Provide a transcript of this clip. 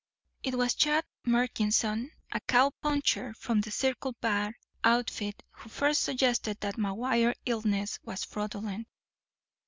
It was Chad Murchison, a cow puncher from the Circle Bar outfit, who first suggested that McGuire's illness was fraudulent.